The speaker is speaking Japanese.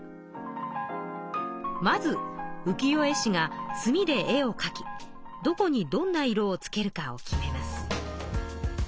まず浮世絵師が墨で絵を描きどこにどんな色をつけるかを決めます。